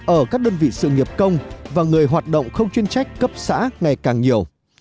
ở các đơn vị sự nghiệp công và người hoạt động không chuyên trách cấp xã ngày càng nhiều